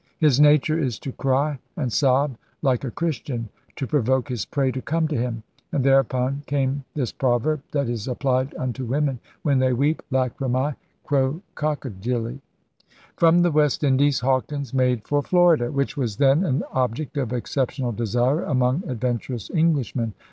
'His nature is to cry and sob like a Chris tian to provoke his prey to come to him; and thereupon came this proverb, that is applied unto women when they weep, lachrymce crocodilL ' From the West Indies Hawkins made for Florida, which was then an object of exceptional desire among adventurous Englishmen.